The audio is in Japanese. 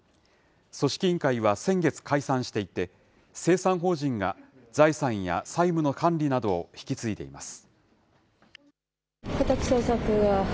組織委員会は先月解散していて、清算法人が財産や債務の管理などを引き継いでいます。